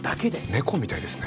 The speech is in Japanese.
猫みたいですね。